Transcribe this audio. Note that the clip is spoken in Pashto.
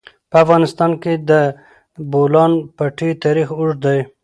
په افغانستان کې د د بولان پټي تاریخ اوږد دی.